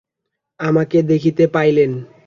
আমাকে দেখিতে পাইলেন।